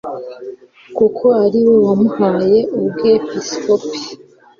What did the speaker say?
kuko ari we wamuhaye ubwepiskopi